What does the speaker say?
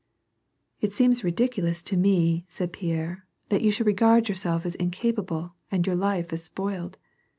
"It seems ridiculous to me," said Pierre, "that you should regard yourself as incapable and your life as spoiled.